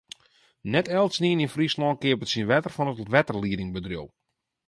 Net eltsenien yn Fryslân keapet syn wetter fan it wetterliedingbedriuw.